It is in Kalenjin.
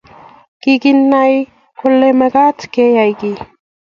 Kiginay kole magat Keyay kiy